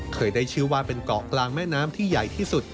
เคยได้ชื่อว่าเป็นเกาะกลางแม่น้ำที่ใหญ่ที่สุด